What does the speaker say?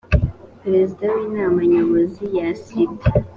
perezida w’inama nyobozi yasibye